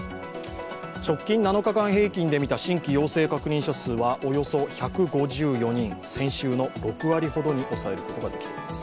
直近７日間平均で見た新規陽性確認者数はおよそ１５４人、先週の６割ほどに抑えることができています。